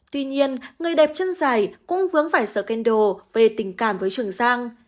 tuy nhiên người đẹp chân dài cũng vướng phải sở kênh đồ về tình cảm với trường giang